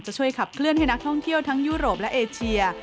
ช่วยขับเคลื่อนให้นักท่องเที่ยวทั้งยุโรปและเอเชีย